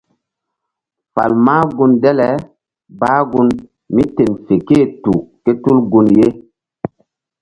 Fal mah gun dale bah gun míten fe ké-e tu ké tul gun ye.